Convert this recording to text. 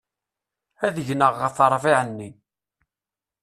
Ad gneɣ ɣef ṛṛbiɣ-nni.